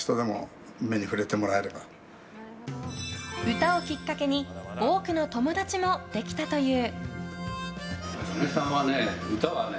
歌をきっかけに多くの友達もできたという。